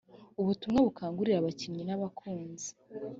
ubutumwa bukangurira abakinnyi n’abakunzi .